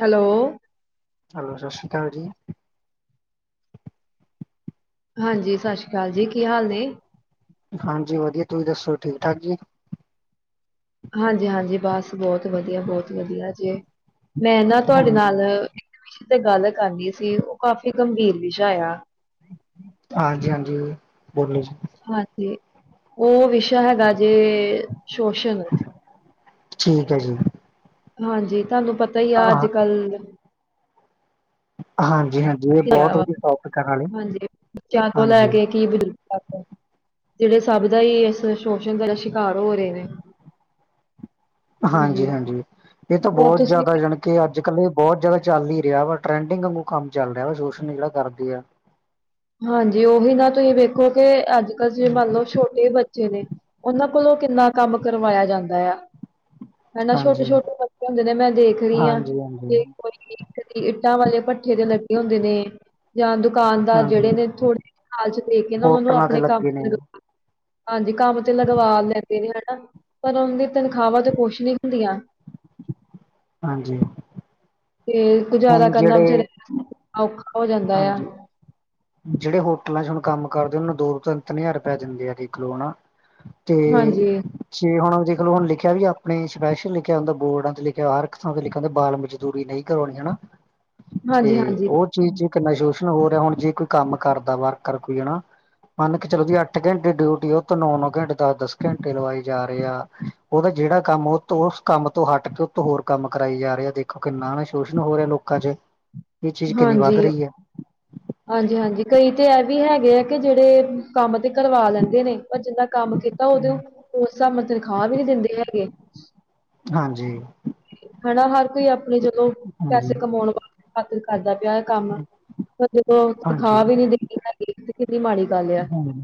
Hello? Hello, ਸਤਿ ਸ਼੍ਰੀ ਅਕਾਲ ਜੀ। ਹਾਂਜੀ ਸਤਿ ਸ਼੍ਰੀ ਅਕਾਲ ਜੀ, ਕੀ ਹਾਲ ਨੇ? ਹਾਂਜੀ ਵਧੀਆ, ਤੁਸੀਂ ਦੱਸੋ ਠੀਕ ਠਾਕ ਜੀ? ਹਾਂਜੀ-ਹਾਂਜੀ, ਬਸ ਬਹੁਤ ਵਧੀਆ ਬਹੁਤ ਵਧੀਆ ਜੀ ਮੈਂ ਨਾ ਤੁਹਾਡੇ ਹਾਂਜੀ ਨਾਲ। ਹਾਂਜੀ ਤੇ ਗੱਲ ਕਰਨੀ ਸੀ ਉਹ ਕਾਫ਼ੀ ਗੰਭੀਰ ਵਿਸ਼ਾ ਆ। ਹਾਂਜੀ-ਹਾਂਜੀ, ਬੋਲੋ ਜੀ? ਹਾਂਜੀ, ਉਹ ਵਿਸ਼ਾ ਹੈਗਾ ਜੇ ਸ਼ੋਸ਼ਲ। ਠੀਕ ਹੈ ਜੀ। ਹਾਂਜੀ, ਤੁਹਾਨੂੰ ਪਤਾ ਹੀ ਆ ਅੱਜ ਹਾਂ ਕੱਲ। ਹਾਂਜੀ ਹਾਂਜੀ ਇਹ ਵਾ ਬਹੁਤ ਵਧੀਆ ਟੋਪਿਕ ਨਾਲੇ ਹਾਂਜੀ, ਬੱਚਿਆਂ ਤੋਂ ਲੈ ਹਾਂਜੀ ਕੇ ਕੀ ਬਜ਼ੁਰਗ। ਜਿਹੜੇ ਸਭ ਦਾ ਹੀ ਇਸ ਸ਼ੋਸ਼ਣ ਦਾ ਸ਼ਿਕਾਰ ਹੋ ਰਹੇ ਨੇ। [inaudible] ਹਾਂਜੀ, ਹਾਂਜੀ-ਹਾਂਜੀ, ਇਹ ਤਾਂ ਹੋਰ ਬਹੁਤ ਤੁਸੀਂ ਜ਼ਿਆਦਾ ਜਾਣੀ। ਕਿ ਅੱਜ ਕੱਲ੍ਹ ਇਹ ਬਹੁਤ ਜਿਆਦਾ ਚੱਲ ਹੀ ਰਿਹਾ ਵਾ ਟਰੈਂਡਿੰਗ ਵਲ ਕੰਮ ਚੱਲ ਰਿਹਾ ਵਾ ਸੋਸ਼ਣ ਜਿਹੜਾ ਕਰਦੇ ਆ। ਹਾਂਜੀ, ਉਹੀ ਨਾ ਤੁਸੀਂ ਵੇਖੋ ਕਿ ਅੱਜ ਕੱਲ੍ਹ ਤੁਸੀਂ ਮੰਨ ਲਓ ਛੋਟੇ ਬੱਚੇ ਨੇ। ਉਹਨਾਂ ਕੋਲੋਂ ਕਿੰਨਾ ਕੰਮ ਕਰਵਾਇਆ ਜਾਂਦਾ ਆ? ਹਨਾ ਹਾਂਜੀ ਛੋਟੇ ਛੋਟੇ ਬੱਚੇ ਹੁੰਦੇ ਨੇ ਮੈਂ ਦੇਖ ਰਹੀ ਹਾਂ ਹਾਂਜੀ ਹਾਂਜੀ ਤੇ ਕੋਈ। ਇੱਟਾਂ ਵਾਲੇ ਭੱਠੇ ਦੇ ਲੱਗੇੇ ਹੁੰਦੇ ਨੇ ਜਾਂ ਦੁਕਾਨਦਾਰ। ਜਿਹੜੇ ਹਾਂਜੀ ਨੇ ਥੋੜੇ ਹਾਲ ਚ ਦੇ ਕੇ ਨਾ ਉਹਨਾਂ ਨੂੰ ਹੋਟਲਾਂ ਤੇ ਆਪਣੇ ਕੰਮ। ਲੱਗੇ ਨੇ ਹਾਂਜੀ ਕੰਮ ਤੇ ਲਗਵਾ ਲੈਂਦੇ ਨੇ ਹੈ ਨਾ। ਪਰ ਉਹ ਦੀ ਤਨਖਾਹਾਂ ਤੇ ਕੁਛ ਨਹੀਂ ਹੁੰਦੀਆਂ। ਹਾਂਜੀ। ਤੇ ਗੁਜ਼ਾਰਾ ਹੁਣ ਕਰਨਾ ਜਿਹੜੇ ਵਿਚਾਰੇ ਲਈ ਔਖਾ ਹੋ ਜਾਂਦਾ ਆ। ਹਾਂਜੀ ਜਿਹੜੇ ਹੋਟਲਾਂ ਚ ਹੁਣ ਕੰਮ ਕਰਦੇ ਉਹਨੂੰ ਦੋ ਤਿੰਨ ਤਿੰਨ ਹਜ਼ਾਰ ਰੁਪਇਆ ਦਿੰਦੇ ਆ ਦੇਖ ਲਓ ਨਾ। ਤੇ ਹਾਂਜੀ ਜੇ ਹੁਣ ਦੇਖ ਲਓ ਹੁਣ ਲਿਖਿਆ ਵੀ ਆਪਣੇ ਸਪੈਸ਼ਲ ਲਿਖਿਆ ਹੁੰਦਾ ਬੋਰਡਾਂ ਤੇ ਲਿਖਿਆ ਹਰ ਥਾਂ ਲਿਖਿਆ ਹੁੰਦਾ ਬਾਰਵੇਂ। ਦੂਰੀ ਨਹੀਂ ਕਰਵਾਉਣੀ ਹਨਾ। ਤੇ ਹਾਂਜੀ ਹਾਂਜੀ ਉਹ ਚੀਜ਼ ਇੱਕ ਨਾ ਸ਼ੋਸ਼ਣ ਹੋ ਰਿਹਾ ਹੁਣ ਜੇ ਕੋਈ ਕੰਮ ਕਰਦਾ ਵਰਕਰ ਕੋਈ ਹੈ ਨਾ। ਮੰਨ ਕੇ ਚਲੋ ਜੀ ਅੱਠ ਘੰਟੇ ਡਿਊਟੀ ਆ ਉਹ ਤੋਂ ਨੌ ਨੌ ਘੰਟੇ ਦਸ ਦਸ ਘੰਟੇ ਲਵਾਈ ਜਾ ਰਹੇ ਆ। ਉਹਦਾ ਜਿਹੜਾ ਕੰਮ ਉਹ ਉਸ ਕੰਮ ਤੋਂ ਹਟ ਕੇ ਉਤ ਹੋਰ ਕੰਮ ਕਰਾਈ ਜਾ ਰਿਹਾ ਦੇਖੋ ਕਿੰਨਾ ਨਾ ਸ਼ੋਸ਼ਣ ਹੋ ਰਿਹਾ ਲੋਕਾਂ ਚ। [unintelligible] ਇਹ ਚੀਜ਼ ਕਿੰਨੀ ਵੱਧ ਹਾਂਜੀ, ਰਹੀ ਹੈ ਹਾਂਜੀ, ਹਾਂਜੀ, ਕਈ ਤੇ ਇਹ ਵੀ ਹੈਗੇ ਆ ਕਿ ਜਿਹੜੇ। ਕੰਮ ਤੇ ਕਰਵਾ ਲੈਂਦੇ ਨੇ ਪਰ ਜਿੰਨਾ ਕੰਮ ਕੀਤਾ ਉਹਦੇ ਉਸ ਹਿਸਾਬ ਨਾਲ ਤਨਖਾਹ ਵੀ ਨੀ ਦਿੰਦੇ ਹੈਗੇ। ਹਾਂਜੀ। ਹਨਾ ਹਰ ਕੋਈ ਆਪਣੇ ਜਦੋਂ ਹਾਂਜੀ ਪੈਸੇ ਕਮਾਉਣ ਵਾਸਤੇ। ਖਾਤਰ ਕਰਦਾ ਪਿਆ ਕੰਮ ਪਰ ਜਦੋਂ ਤਨਖਾਹ ਵੀ ਨੀ ਦੀ ਦਿਖੀ ਕਿੰਨੀ ਮਾੜੀ ਗੱਲ ਏ। ਹਮ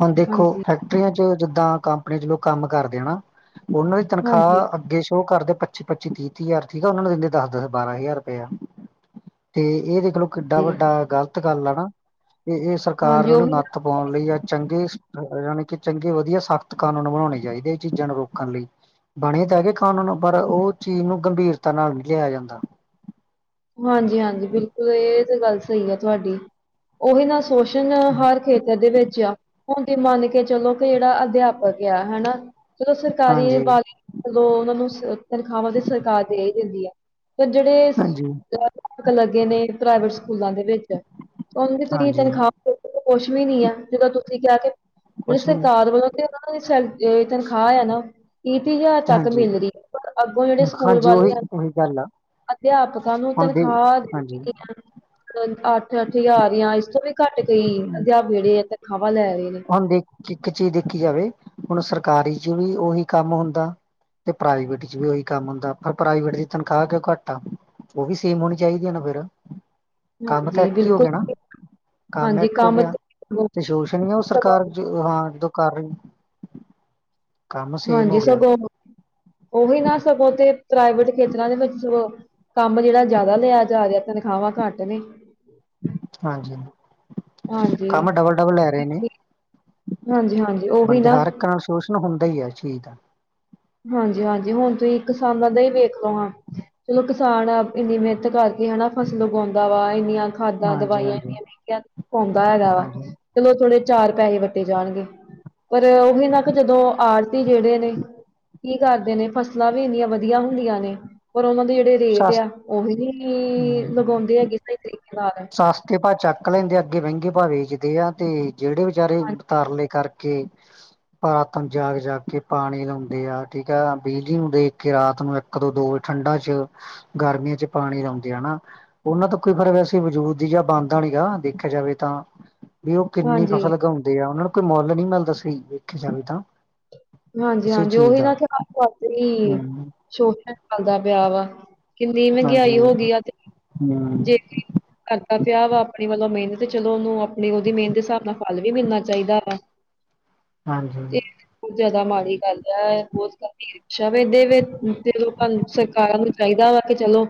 ਹੁਣ ਦੇਖੋ ਹੈਕ ਕਰੀਆਂ ਚ ਜਿੱਦਾਂ ਕੰਪਨੀ ਚ ਲੋਕ ਕੰਮ ਕਰਦੇ ਆ ਨਾ ਉਹਨਾਂ ਦੀ ਹਾਂਜੀ, ਤਨਖਾਹ ਅੱਗੇ ਸ਼ੋਅ ਕਰਦੇ। ਪਚੀ ਪੱਚੀ ਤੀਹ-ਤੀਹ ਹਜ਼ਾਰ ਠੀਕ ਆ ਉਹਨਾਂ ਨੂੰ ਦਿੰਦੇ ਦਸ-ਦਸ ਬਾਰਾਂ ਹਜ਼ਾਰ ਰੁਪਇਆ ਤੇ ਇਹ ਦੇਖਲੋ। ਕਿੱਡਾ ਵੱਡਾ ਗ਼ਲਤ ਗੱਲ ਆ ਨਾ। ਇਹ-ਇਹ ਸਰਕਾਰ ਹਾਂਜੀ ਨੂੰ ਉਹੀ ਨਾ ਨੱਥ ਪਾਉਣ ਲਈ ਜਾਂ ਚੰਗੇ ਯਾਨੀ ਕਿ ਚੰਗੇ ਵਧੀਆ ਸਖਤ ਕਾਨੂੰਨ ਬਣਾਉਣੇ ਚਾਹੀਦੇ। ਇਹ ਚੀਜ਼ਾਂ ਨੂੰ ਰੋਕਣ ਲਈ। ਬਣੇ ਤਾਂ ਹੈਗੇ ਕਾਨੂੰਨ ਪਰ ਉਹ ਚੀਜ਼ ਨੂੰ ਗੰਭੀਰਤਾ ਨਾਲ ਨਹੀਂ ਲਿਆ ਜਾਂਦਾ। ਹਾਂਜੀ ਹਾਂਜੀ, ਬਿਲਕੁਲ ਇਹ ਤੇ ਗੱਲ ਸਹੀ ਆ ਤੁਹਾਡੀ। ਉਹੀ ਨਾ ਸ਼ੋਸ਼ਣ ਹਰ ਖੇਤਰ ਦੇ ਵਿੱਚ ਆ। ਹੁਣ ਤੇ ਮੰਨ ਕੇ ਚਲੋ ਕਿ ਜਿਹੜਾ ਅਧਿਆਪਕ ਆ ਹਨਾ ਚਲੋ ਸਰਕਾਰੀ ਹਾਂਜੀ ਵਾਲ ਜਦੋਂ ਉਹਨਾਂ ਨੂੰ ਤਨਖਾਹਾਂ ਤੇ ਸਰਕਾਰ ਦੇ ਈ ਦਿੰਦੀ ਆ ਤੇ ਜਿਹੜੇ ਹਾਂਜੀ ਲੱਗੇ ਨੇ ਪ੍ਰਾਈਵੇਟ ਸਕੂਲਾਂ ਦੇ ਵਿੱਚ ਉਹਨਾਂ ਦੀ ਤੁਸੀਂ ਹਾਂਜੀ ਤਨਖਾਹ ਕੁਛ ਵੀ ਨੀ ਆ ਜਿੱਦੋਂ ਤੁਸੀਂ ਕਿਹਾ ਕੇ ਜਿਹੜੀ ਕੁਛ ਨੀ ਸਰਕਾਰ ਵੱਲੋਂ [unintelligible] ਤਨਖਾਹ ਆ ਨਾ। ਤੀਹ ਤੀਹ ਹਜ਼ਾਰ ਤੱਕ ਹਾਂਜੀ ਮਿਲ ਰਹੀ ਪਰ ਅੱਗੋਂ ਜਿਹੜੇ ਸਕੂਲ ਹਾਂਜੀ ਵਾਲੇ ਉਹੀ ਆ ਉਹੀ ਗੱਲ ਆ ਅਧਿਆਪਕ ਨੂੰ ਹੁਣ ਦੇ ਤਨਖਾਹ [unintelligible] ਹਾਂਜੀ ਅੱਠ ਅੱਠ ਹਜ਼ਾਰ ਜਾਂ ਇਸ ਤੋਂ ਵੀ ਘੱਟ ਕਈ ਅਧਿਆਪਕ ਜਿਹੜੇ ਤਨਖਾਹਾਂ ਲੈ ਰਹੇ ਨੇ। ਹੁਣ ਇੱਕ ਚੀਜ਼ ਦੇਖੀ ਜਾਵੇ ਹੁਣ ਸਰਕਾਰੀ ਚ ਵੀ ਉਹੀ ਕੰਮ ਹੁੰਦਾ। ਤੇ ਪ੍ਰਾਈਵੇਟ ਚ ਵੀ ਉਹੀ ਕੰਮ ਹੁੰਦਾ ਪਰ ਪ੍ਰਾਈਵੇਟ ਚ ਤਨਖਾਹ ਕਿਉਂ ਘੱਟ ਆ। ਉਹ ਵੀ ਸੇਮ ਹੋਣੀ ਚਾਹੀਦੀ ਆ ਨਾ ਫੇਰ ਕੰਮ ਤਾਂ ਹਾਂਜੀ ਇੱਕ ਹੀ ਹੋ ਗਿਆ ਨਾ ਬਿਲਕੁਲ ਕੰਮ ਹਾਂਜੀ ਇੱਕ ਹੋ ਗਿਆ ਤੇ ਸਗੋਂ ਤੇ ਸ਼ੋਸ਼ਣ [unintelligible] ਸਗੋਂ ਸਰਕਾਰ ਜੋ ਹਾਂ ਜੋ ਕਰ ਰਹੀ। ਕੰਮ ਸੇਮ ਹਾਂਜੀ, ਹੋ ਗਿਆ ਸਗੋਂ ਉਹੀ ਨਾ ਸਗੋਂ ਤੇ ਪ੍ਰਾਈਵੇਟ ਖੇਤਰਾਂ ਦੇ ਵਿੱਚ ਸਗੋਂ। ਕੰਮ ਜਿਹੜਾ ਜ਼ਿਆਦਾ ਲਿਆ ਜਾ ਰਿਹਾ ਤਨਖਾਹਾਂ ਘੱਟ ਨੇ। ਹਾਂਜੀ, ਹਾਂਜੀ ਕੰਮ ਡਬਲ ਡਬਲ ਲੈ ਰਹੇ ਨੇ ਹਾਂਜੀ ਹਾਂਜੀ ਉਹੀ ਬੰਦੇ ਨਾ ਹਰ ਸ਼ੋਸ਼ਣ ਹੁੰਦਾ ਹੀ ਆ ਚੀਜ਼ ਦਾ। ਹਾਂਜੀ ਹਾਂਜੀ, ਹੁਣ ਤੁਸੀਂ ਕਿਸਾਨਾਂ ਦਾ ਹੀ ਵੇਖ ਲੋ ਹਾਂ। ਚਲੋ ਕਿਸਾਨ ਇੰਨੀ ਮਿਹਨਤ ਕਰਕੇ ਹਨਾ ਫਸਲ ਉਗਾਉਂਦਾ ਵਾ ਇੰਨੀਆਂ। ਖਾਦਾਂ, ਹਾਂਜੀ ਦਵਾਈਆਂ ਹਾਂਜੀ ਇੰਨੀਆਂ ਮਹਿੰਗੀਆਂ ਪਾਉਂਦਾ ਹੈਗਾ ਵਾ। ਹਾਂਜੀ ਚਲੋ ਥੋੜੇ ਚਾਰ ਪੈਸੇ ਵੱਟੇ ਜਾਣਗੇ ਪਰ ਉਹੀ ਨਾ ਕੁ ਜਦੋਂ ਆੜਤੀ ਜਿਹੜੇ ਨੇ ਕੀ ਕਰਦੇ ਨੇ ਫਸਲਾਂ ਵੀ ਇੰਨੀਆਂ ਵਧੀਆ ਹੁੰਦੀਆਂ ਨੇ ਪਰ ਉਹਨਾਂ ਦੇ ਜਿਹੜੇ ਲੇਟ ਸਸ ਆ ਉਹੀ ਨੀ ਲਗਾਉਂਦੇ ਹੈਗੇ ਸਹੀ ਤਰੀਕੇ ਨਾਲ। ਸਸਤੇ ਭਾਅ ਚੱਕ ਲੈਂਦੇ ਅੱਗੇ ਮਹਿੰਗੇ ਭਾਅ ਵੇਚਦੇ ਆ ਤੇ ਜਿਹੜੇ ਵਿਚਾਰੇ ਤਾਰਲੇ ਕਰ ਕੇ, ਪਰ ਰਾਤ ਨੂੰ ਜਾਗ ਜਾਗ ਕੇ ਪਾਣੀ ਲਾਉਂਦੇ ਆ ਠੀਕ ਆ ਬਿਜਲੀ ਨੂੰ ਦੇਖ ਕੇ ਰਾਤ ਨੂੰ ਇੱਕ ਦੋ ਦੋ ਠੰਡਾਂ ਚ ਗਰਮੀਆਂ ਚ ਪਾਣੀ ਲਾਉਂਦੇ ਆ ਨਾ ਉਹਨਾਂ ਤੋਂ ਕੋਈ ਫਰਕ ਵੈਸ ਤੇ ਵਜੂਦ ਦੀ ਜਾਂ ਬਾਂਦਾ ਨੀਗਾ ਦੇਖਿਆ ਜਾਵੇ ਤਾਂ, ਵੀ ਓ ਕਿੰਨੀ ਹਾਂਜੀ, ਫਸਲ ਉਗਾਉਂਦੇ ਆ ਓਨਾਂ ਨੂੰ ਕੋਈ ਮੁੱਲ ਨੀ ਮਿਲਦਾ ਸਹੀ ਵੇਖਿਆ ਜਾਵੇ ਤਾਂ। ਹਾਂਜੀ ਕਿਸੇ ਹਾਂਜੀ। ਚੀਜ਼ ਓਹੀ ਦਾ ਨਾ ਏਥੇ [unintelligible] ਤੇ ਹੀ ਹੂੰ ਸ਼ੋਸ਼ਣ ਚੱਲਦਾ ਪਿਆ ਵਾ। ਕਿੰਨੀ ਹਾਂਜੀ ਮਹਿੰਗਾਈ ਹੋ ਹੂੰ ਗਈ ਆ ਤੇ ਹਾਂਜੀ ਜੇ ਕਰਦਾ ਪਿਆ ਵਾ ਆਪਣੀ ਵੱਲੋਂ ਮਿਹਨਤ ਤੇ ਚਲੋ ਓਹਨੂੰ ਅਪਣੀ ਓਹਦੀ ਮਿਹਨਤ ਦੇ ਹਿਸਾਬ ਨਾਲ ਫਲ ਵੀ ਮਿਲਣਾ ਚਾਹੀਦਾ ਵਾ। ਹਾਂਜੀ। ਬੋਤ ਜਆਦਾ ਮਾੜੀ ਗੱਲ ਐ ਬੋਤ ਸ਼ਾ ਵੇਦੇਵੇ ਲੋਕਾਂ ਨੂੰ ਸਰਕਾਰਾਂ ਨੂੰ ਚਾਹੀਦਾ ਵਾ ਕਿ ਚਲੋ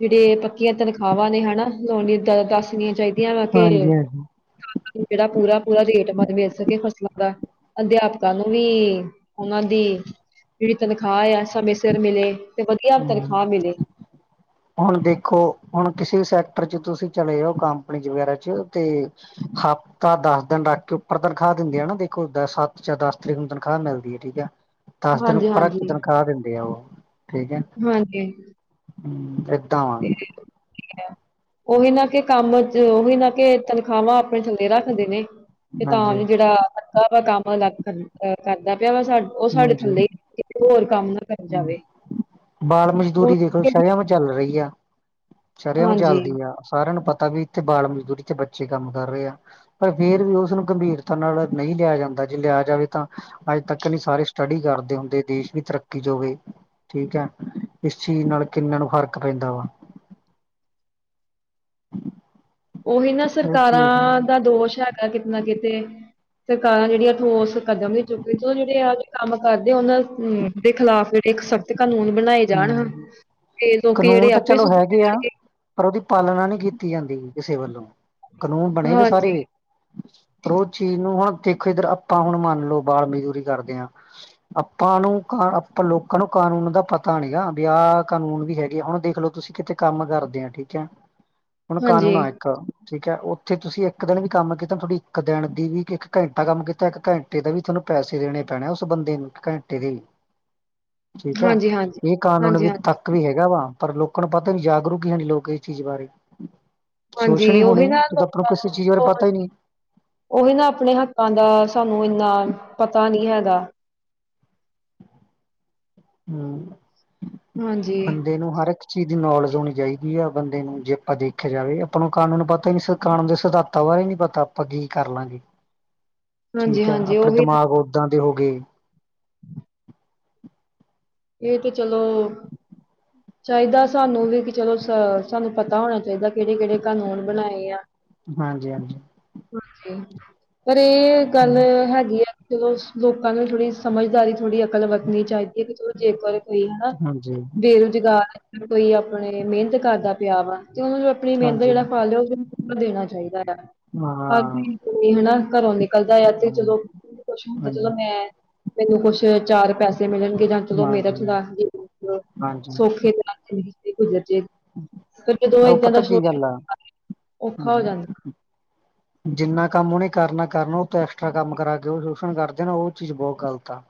ਜੇਹੜੇ ਪੱਕੀਆਂ ਤਨਖਾਵਾਂ ਨੇ ਹੈਨਾ ਲਾਉਣੀਆਂ ਦ ਦੱਸਣੀਆਂ ਚਾਹੀਦੀਆਂ ਵਾ ਕੇ ਹਾਂਜੀ ਜਿਹੜਾ ਪੂਰਾ ਪੂਰਾ ਰੇਟ ਮਿਲ ਸਕੇ ਫਸਲਾਂ ਦਾ ਅਧਿਆ ਸਾਨੂੰ ਨੂੰ ਵੀ ਓਨਾਂ ਦੀ ਜੇਹੜੀ ਤਨਖਾਹ ਆ ਸਮੇਂ ਸਿਰ ਮਿਲੇ। ਤੇ ਵਧੀਆ ਹੂੰ, ਤਨਖਾਹ ਮਿਲੇ ਹੁਣ ਦੇਖੋ ਹੁਣ ਕਿਸੇ ਵੀ ਸੈਕਟਰ ਚ ਤੁਸੀਂ ਚਲੇ ਜਾਓ ਕੰਪਨੀ ਵਗੈਰਾ ਚ ਤੇ ਹਫ, ਤਾਂ ਦਸ ਦਿਨ ਰੱਖ ਕੇ ਉੱਪਰ ਤਨਖਾਹ ਦਿੰਦੇ ਆ ਨਾ ਦੇਖੋ ਦ ਸੱਤ ਜਾਂ ਦਸ ਤਰੀਕ ਨੂੰ ਤਨਖਾਹ ਮਿਲਦੀ ਆ ਠੀਕ ਆ। ਦਸ ਦਿਨ ਹਾਂਜੀ ਪਰ ਇੱਕ ਹਾਂਜੀ ਤਨਖਾਹ ਦਿੰਦੇ ਆ ਉਹ ਠੀਕ ਆ। ਹਾਂਜੀ [unintelligible] ਉਹੀ ਨਾ ਕੇ ਕੰਮ ਚ ਉਹੀ ਨਾ ਕੇ ਤਨਖਾਹਾਂ ਆਪਣੇ ਥੱਲੇ ਰੱਖਦੇ ਨੇ। ਤੇ ਤਾਂ ਵੀ ਹਾਂਜੀ। ਜੇਹੜਾ ਕਰਦਾ ਪਯਾ ਕੰਮ ਅਲੱਗ ਕਰਦਾ ਪਿਆ ਵਾ ਸਾ ਓ ਸਾਡੇ ਹਾਂਜੀ ਥੱਲੇ ਹੋਰ ਕੰਮ ਨਾ ਕਰ ਜਾਵੇ। ਬਾਲ ਉਹ ਮਜ਼ਦੂਰੀ ਦੇਖ ਲੋ ਸ਼ਰੇਆਮ ਚੱਲ ਰਹੀ ਆ। ਸ਼ਰੇਆਂਮ ਹਾਂਜੀ ਚੱਲਦੀ ਆ ਸਾਰਿਆਂ ਨੂੰ ਪਤਾ ਵੀ ਇੱਥੇ ਬਾਲ ਮਜ਼ਦੂਰੀ ਤੇ ਬੱਚੇ ਕੰਮ ਕਰ ਰਹੇ ਆ। ਪਰ ਫੇਰ ਵੀ ਓਸਨੂੰ ਗੰਭੀਰਤਾ ਨਾਲ ਨਈ ਲਿਆ ਜਾਂਦਾ ਜੇ ਲਿਆ ਜਾਵੇ ਤਾਂ ਅੱਜ ਤੱਕ ਨੀ ਸਾਰੇ ਸਟੱਡੀ ਕਰਦੇ ਹੁੰਦੇ ਦੇਸ਼ ਵੀ ਤਰੱਕੀ ਚ ਹੋਵੇ। ਠੀਕ ਹੈ ਏਸ ਚੀਜ਼ ਨਾਲ ਕਿੰਨਾ ਨੂੰ ਫ਼ਰਕ ਪੈਂਦਾ ਵਾ। ਓਹੀ ਨਾ ਇਹ ਚੀਜ਼ ਸਰਕਾਰਾਂ ਹੂੰ ਦਾ ਦੋਸ਼ ਹੈਗਾ ਕਿਤੇ ਨਾ ਕਿਤੇ ਸਰਕਾਰਾਂ ਜੇਹੜੀਆਂ ਠੋਸ ਕਦਮ ਨੀ ਚੁੱਕੇ। ਜੋ ਜੇਹੜੇ ਐਹੋ ਜੇ ਕੰਮ ਕਰਦੇ ਆ ਓਹਨਾਂ ਦੇ ਖਿਲਾਫ਼ ਜੇਹੜੇ ਤੇ ਕਾਨੂੰਨ ਬਣਾਏ ਜਾਣ ਹਨ ਤੇ ਲੋਕੀ ਕਾਨੂੰਨ ਜੇਹੜੇ ਤਾਂ ਆਪੇ ਚਲੋ ਸੁਧ ਹੈਗੇ ਆ ਜਾਣਗੇ। ਪਰ ਓਹਦੀ ਪਾਲਣਾ ਨੀ ਕੀਤੀ ਜਾਂਦੀ ਕਿਸੇ ਵੱਲੋਂ ਕਾਨੂੰਨ ਬਣੇ ਹਾਂਜੀ ਦੇ ਸਾਰੇ ਵੇ। ਪਰ ਓਹ ਚੀਜ਼ ਨੂੰ ਹੁਣ ਦੇਖੋ ਏਧਰ ਆਪਾਂ ਹੁਣ ਮੰਨ ਲਓ ਬਾਰ ਮਜ਼ਦੂਰੀ ਕਰਦੇ ਹਾਂ। ਆਪਾਂ ਨੂੰ ਕ ਆਪਾਂ ਲੋਕਾਂ ਨੂੰ ਕਾਨੂੰਨ ਦਾ ਪਤ ਪਤਾ ਨੀਗਾ ਵਿ ਆਹ ਕਾਨੂੰਨ ਵੀ ਹੈਗੇ ਹੁਣ ਦੇਖਲੋ ਤੁਸੀ ਕਿਤੇ ਕੰਮ ਕਰਦੇ ਆਂ ਠੀਕ ਹੈ। ਹੁਣ ਕਾਨੂੰਨ ਹਾਂਜੀ ਆ। ਠੀਕ ਹੈ। ਓਥੇ ਤੁਸੀ ਇੱਕ ਦਿਨ ਵੀ ਕੰਮ ਕੀਤਾ ਤੁਹਾਡੀ ਇੱਕ ਦਿਨ ਦੀ ਵੀ ਇੱਕ ਘੰਟਾ ਕੰਮ ਕੀਤਾ ਇੱਕ ਘੰਟ ਘੈੰਟੇ ਦੇ ਵੀ ਤੁਹਾਨੂੰ ਪੈਸੇ ਦੇਣੇ ਪੈਣੇ ਓਸ ਬੰਦੇ ਨੂੰ ਘੈਂਟੇ ਦੇ। [unintelligible] ਠੀਕ ਹੈ। ਹਾਂਜੀ ਹਾਂਜੀ ਏਹ ਕਾਨੂੰਨ ਹਾਂਜੀ ਵੀ ਹਾਂਜੀ ਤੱਕ ਵੀ ਹੈਗਾ ਵਾ। ਪਰ ਲੋਕਾਂ ਨੂੰ ਪਤਾ ਨੀ ਜਾਗਰੂਕ ਹੀ ਹੈਣੀ ਲੋਕ ਇਸ ਚੀਜ਼ ਬਾਰੇ। ਹਾਂਜੀ ਸੋਸ਼ਣ ਹੀ ਓਹੀ ਹੋਣੇ ਨਾ ਜਦੋਂ ਆਪਾਂ ਲੋਕਾਂ ਕਿਸੇ ਨੂੰ ਚੀਜ਼ ਬਾਰੇ ਪਤਾ ਹੀ ਨਹੀਂ ਓਹੀ ਨਾ ਆਪਣੇ ਹੱਕਾਂ ਦਾ ਸਾਨੂੰ ਇੰਨਾ ਪਤਾ ਨੀ ਹੈਗਾ। ਹੁਂ। ਹਾਂਜੀ, ਬੰਦੇ ਨੂੰ ਹਰੇਕ ਚੀਜ਼ ਦੀ ਨੌਲੇਜ ਹੋਣੀ ਚਾਹੀਦੀ ਆ ਬੰਦੇ ਨੂੰ ਜੇ ਆਪਾਂ ਦੇਖਿਆ ਜਾਵੇ ਆਪਾਂ ਨੂੰ ਕਾਨੂੰਨ ਪਤਾ ਈ ਨੀ ਕਾਨੂੰਨ ਦੇ ਸਿਧਾ ਤਾਂ ਬਾਰੇ ਈ ਨੀ ਪਤਾ। ਆਪਾਂ ਕੀ ਕਰ ਲਾਂਗੇ? ਹਾਂਜੀ ਹਾਂਜੀ ਓਹੀ ਨ। ਦਾਂ ਦੇ ਹੋ ਗਏ। ਏਹ ਤੇ ਚਲੋ ਚਾਹੀਦਾ ਸਾਨੂੰ ਵੀ ਕਿ ਚਲੋ ਸ ਸਾਨੂੰ ਪਤਾ ਹੋਣਾ ਚਾਹੀਦਾ ਕੇਹੜੇ ਕੇਹੜੇ ਕਾਨੂੰਨ ਬਣਾਏ ਆ। ਹਾਂਜੀ ਹਾਂਜੀ। ਪਰ ਏਹ ਗੱਲ ਹੈਗੀ ਆ। ਚਲੋ ਲੋਕਾਂ ਨੂੰ ਥੋੜੀ ਸਮਝਦਾਰੀ ਥੋੜ੍ਹੀ ਅਕਲ ਵਰਤਣੀ ਚਾਹੀਦੀ ਹੈ ਕਿ ਚਲੋ ਜੇਕਰ ਕੋਈ ਹਨ ਹਾਂਜੀ ਬੇਰੁਜ਼ਗਾਰ ਕੋਈ ਅਪਣੇ ਮਿਹਨਤ ਕਰਦਾ ਪਿਆ ਵਾ ਤੇ ਓਹਨੂੰ ਅਪਣੀ ਮੇਹਨਤ ਹਾਂਜੀ ਜੇਹੜਾ ਫਲ ਐ ਓਹਨੂੰ ਦੇਣਾ ਚਾਹੀਦਾ ਐ। ਹਰ ਹਾਂ ਮਹੀ ਹੈਨਾ ਘਰੋਂ ਨਿਕਲਦਾ ਆ ਤੇ ਚਲੋ ਕੁਛ ਹੁਣ ਤੇ ਹਾਂਜੀ ਚਲੋ ਮੈਂ ਮੈਨੂੰ ਕੁੱਛ ਚਾਰ ਪੈਸੇ ਮਿਲਣਗੇ ਜਾਂ ਚਲੋ ਮੇਰਾ ਹਾਂਜੀ ਥੋੜਾ ਜ ਹਾਂਜੀ ਸੌਖੇ ਤ ਗੁਰੇ ਜਦੋ ਉਹ ਇਏਦਾਂ ਦਾ ਪਤਾ ਕੀ ਸ਼ੋਰ ਗੱਲ ਆ ਔਖਾ ਹੋ ਹਾਂਜੀ ਜਾਂਦਾ ਜਿੰਨਾ ਕੰਮ ਉਹਨੇ ਕਰਨਾ ਕਰਨਾ ਉਹ ਤੇ ਐਕਸਟਰਾ ਕੰਮ ਕਰਾ ਕੇ ਉਹ ਸ਼ੋਸ਼ਣ ਕਰਦੇ ਨਾ ਉਹ ਚੀਜ਼ ਬਹੁਤ ਗ਼ਲਤ ਆ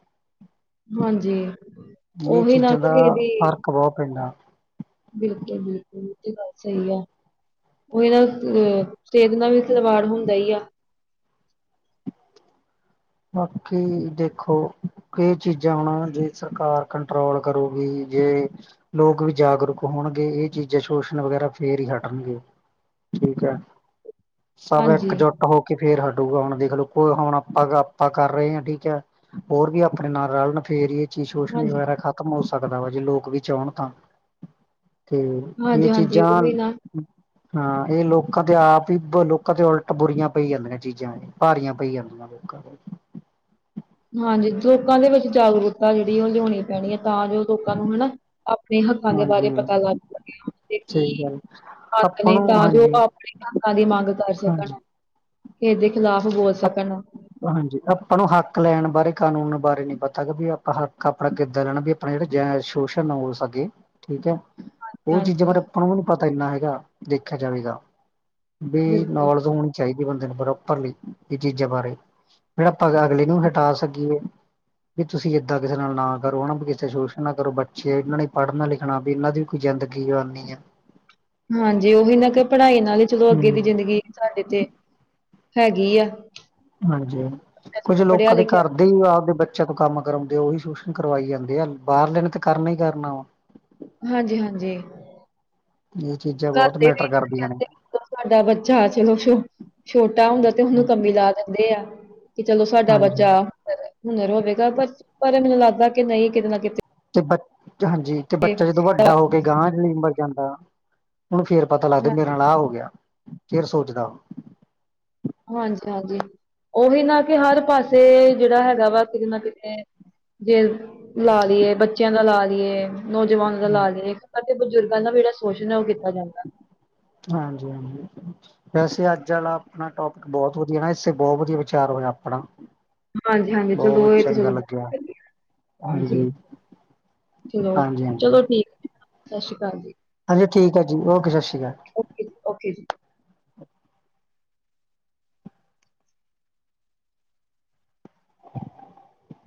ਹਾਂਜੀ। ਇਹ ਉਹੀ ਨਾ ਚੀਜ਼ਾਂ ਕਿ ਕਿਸੇ ਦਾ, ਦੀ ਫ਼ਰਕ ਬਹੁਤ ਪੈਂਦਾ। ਬਿਲਕੁਲ ਬਿਲਕੁਲ ਇਹ ਤੇ ਗੱਲ ਸਹੀ ਆ ਉਹ ਇਹ ਨਾ ਅ ਸਿਹਤ ਨਾਲ ਵੀ ਖਿਲਵਾੜ ਹੁੰਦਾ ਹੀ ਆ ਬਾਕੀ ਦੇਖੋ ਕਈ ਚੀਜ਼ਾਂ ਹੋਣ ਜੇ ਸਰਕਾਰ ਕੰਟਰੋਲ ਕਰੂਗੀ ਜੇ ਲੋਕ ਵੀ ਜਾਗਰੂਕ ਹੋਣਗੇ ਇਹ ਚੀਜ਼ਾਂ ਸ਼ੋਸ਼ਣ ਵਗੈਰਾ ਫੇਰ ਹੀ ਹਟਣਗੇ ਠੀਕ ਹੈ ਸਭ ਹਾਂਜੀ ਇਕਜੁੱਟ ਹੋ ਕੇ ਫੇਰ ਹਟੂਗਾ ਹੁਣ ਦੇਖਲੋ ਕੋ ਹੁਣ ਆਪਾਂ ਆਪਾਂ ਕਰ ਰਹੇ ਹ ਠੀਕ ਹੈ ਹੋਰ ਵੀ ਆਪਣੇ ਨਾਲ ਰਲਣ ਫੇਰ ਇਹ ਚੀਜ਼ ਸ਼ੋਸ਼ ਹਾਂਜੀ ਵਗੈਰਾ ਖਾ ਕੰਮ ਹੋ ਸਕਦਾ ਵਾ ਜੇ ਲੋਕ ਵੀ ਚਾਹਣ ਤਾਂ ਤੇ ਇਹ ਹਾਂਜੀ ਹਾਂਜੀ ਉਹ ਚੀਜ਼ਾਂ ਵੀ ਨਾ ਹਾਂ ਇਹ ਲੋਕਾਂ ਤੇ, ਆਪ ਹੀ ਲੋਕਾਂ ਤੇ ਉਲਟ ਬੁਰੀਆਂ ਪਈ ਜਾਂਦੀਆਂ ਚੀਜ਼ਾਂ ਭਾਰੀਆਂ ਪਈ ਜਾਂਦੀਆਂ। ਹ [unintelligible] ਹਾਂਜੀ, ਲੋਕਾਂ ਦੇ ਵਿੱਚ ਜਾਗਰੂਕਤਾ, ਜਿਹੜੀ ਉਹ ਲਿਆਉਣੀ ਪੈਣੀ ਹੈ, ਤਾਂ ਜੋ ਲੋਕਾਂ ਨੂੰ ਹਨਾ ਆਪਣੇ ਹੱਕਾਂ ਦੇ, ਬਾਰੇ ਹਾਂਜੀ ਪਤਾ ਲੱਗ ਸਕੇ ਸਹੀ ਕੀ ਗੱਲ ਹਕ ਆਪਾਂ ਨੇ, ਨੂੰ ਤਾਂ ਜੋ ਹਾਂਜੀ ਆਪਣੇ ਹੱਕਾਂ ਦੀ, ਮੰਗ ਕਰ ਹਾਂਜੀ ਸਕਣ। ਇਹਦੇ, ਖਿਲਾਫ਼ ਬੋਲ ਸਕਣ। ਹਾਂਜੀ, ਆਪਾਂ ਨੂੰ ਹੱਕ ਲੈਣ ਬਾਰੇ ਕਾਨੂੰਨ ਬਾਰੇ ਨੀ ਪਤਾ ਕਿ ਵੀ, ਆਪਾਂ ਹੱਕ ਆਪਣਾ ਕਿੱਦਾਂ ਲੈਣਾ ਵੀ ਆਪਣੇ, ਜਿਹੜੇ ਜੈ ਸ਼ੋਸ਼ਣ ਹੋ ਸਕੇ ਠੀਕ ਹੈ, ਉਹ ਚੀਜ਼ਾਂ ਹਾਂਜੀ ਬਾਰੇ ਆਪਾਂ ਨੂੰ ਵੀ ਨਹੀਂ ਪਤਾ ਇੰਨਾ ਹੈਗਾ, ਦੇਖਿਆ ਜਾਵੇਗਾ ਵੀ ਬਿਲਕੁਲ ਨੌਲੇਜ, ਹੋਣੀ ਚਾਹੀਦੀ ਬੰਦੇ ਨੂੰ ਪਰੋਪਰਲੀ। ਇਹ ਚੀਜ਼ਾਂ ਬਾਰੇ, ਫਿਰ ਆਪਾਂ ਅਗਲੇ ਨੂੰ ਹਟਾ ਸਕੀਏ। ਵੀ ਤੁਸੀਂ ਏਦਾਂ ਕਿਸੇ ਨਾਲ ਨਾ ਕਰੋ, ਹਨਾ ਵੀ ਕਿਸੇ ਦਾ ਸ਼ੋਸ਼ਣ ਨਾ ਕਰੋ, ਬੱਚੇ ਇਹਨਾਂ ਨੇ ਵੀ ਪੜ੍ਹਨਾ ਲਿਖ ਹਾਂ ਵੀ, ਇਹਨਾਂ ਦੀ ਕੋਈ ਜ਼ਿੰਦਗੀ ਕਰਨੀ ਆ। ਹਾਂਜੀ, ਉਹੀ ਨਾ ਕਿ, ਪੜ੍ਹਾਈ ਨਾਲ ਹੀ ਚਲੋ ਅੱਗੇ ਦੀ ਹਮ ਜ਼ਿੰਦਗੀ ਸਾਡੇ ਤੇ, ਹੈਗੀ ਆ। ਹਾਂਜੀ, ਕੁੱਝ ਪੜ੍ਹਿਆ ਲੋਕਾਂ ਦੇ ਲਿਖਿਆ ਘਰ ਦੇ ਹੀ ਆਪਦੇ ਬੱਚਿਆਂ ਤੋਂ ਕੰਮ ਕਰਵਾਉਂਦੇ, ਉਹੀ ਸ਼ੋਸ਼ਣ ਕਰਵਾਈ ਜਾਂਦੇ ਆ, ਬਾਹਰਲੇ ਨੇ ਤੇ ਕਰਨਾ ਹੀ ਕਰਨਾ ਵਾ। ਹਾਂਜੀ- ਹਾਂਜੀ। ਇਹ ਚੀਜ਼ਾਂ ਘਰ ਬਹੁਤ ਦੇ ਵੀ ਮੈਟਰ ਕਰਦੀਆਂ ਨੇ ਕਹਿੰਦੇ ਤੁਹਾਡਾ ਬੱਚਾ, [unintelligible] ਛੋਟਾ ਹੁੰਦਾ ਤੇ, ਉਹਨੂੰ ਕੰਮੀ ਲਾ ਦਿੰਦੇ ਆ। ਕਿ ਚਲੋ ਸਾਡਾ ਹਾਂਜੀ ਬੱਚਾ ਹੁਨਰ ਹੋਵੇਗਾ, ਪਰ -ਪਰ ਮੈਨੂੰ ਲੱਗਦਾ ਕਿ, ਨਹੀਂ ਕਿਤੇ ਨਾ ਕਿਤੇ ਤੇ ਬ ਹਾਂਜੀ, ਤੇ ਬੱਚਾ ਜਦੋਂ ਵੱਡਾ ਹੋ ਕੇ ਅਗਾਂਹ ਯਾਨੀ ਉਮਰ ਜਾਂਦਾ, ਉਹਨੂੰ ਫੇਰ ਪਤਾ ਲੱਗਦਾ, ਮੇਰੇ ਹਾਂਜੀ ਨਾਲ ਆਹ ਹੋ ਗਿਆ, ਫਿਰ ਸੋਚਦਾ ਉਹ। ਹਾਂਜੀ -ਹਾਂਜੀ, ਉਹੀ ਨਾ ਕਿ ਹਰ ਪਾਸੇ ਜਿਹੜਾ ਹੈਗਾ ਵਾ ਕਿਤੇ ਨਾ ਕਿਤੇ ਜੇ ਲਾ ਲਈਏ, ਬੱਚਿਆਂ ਦਾ ਲਾ ਲਈਏ ਨੌਜਵਾਨਾਂ ਦਾ ਲਾ ਹਾਂਜੀ। ਲਈਏ, ਬਜ਼ੁਰਗਾਂ ਦਾ ਵੀ ਜਿਹੜਾ ਸ਼ੋਸ਼ਣ ਹੈ, ਉਹ ਕੀਤਾ ਜਾਂਦਾ। ਹਾਂਜੀ- ਹਾਂਜੀ। ਵੈਸੇ ਅੱਜ ਆਲਾ ਆਪਣਾ ਟੋਪਿਕ, ਬਹੁਤ ਵਧੀਆ ਨਾ, ਇਸੇ ਬਹੁਤ ਵਧੀਆ ਵਿਚਾਰ ਹੋਇਆ ਆਪਣਾ। ਹਾਂਜੀ -ਹਾਂਜੀ, ਚਲੋ ਬਹੁਤ ਇਹ ਤੇ ਚੰਗਾ ਚਲੋ, ਚਲੋ ਠੀਕ ਲੱਗਿਆ ਹੈ, ਸਤਿ ਸ੍ਰੀ ਹਾਂਜੀ ਹਾਂਜੀ ਹਾਂਜੀ ਅਕਾਲ ਜੀ। ਹਾਂਜੀ, ਠੀਕ ਹੈ ਜੀ, ਓਕੇ ਸਤਿ ਸੀ਼੍ ਅਕਾਲ ਓਕੇ ਜੀ, ਓਕੇ ਜੀ